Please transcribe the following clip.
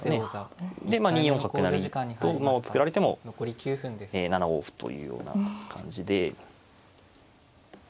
でまあ２四角成と馬を作られても７五歩というような感じで。